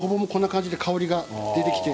ごぼうはこんな感じで香りが出てきて。